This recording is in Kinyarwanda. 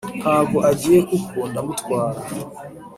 ntago agiye kuko ndamutwara